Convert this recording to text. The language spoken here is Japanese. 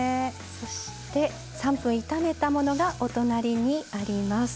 そして３分炒めたものがお隣にあります。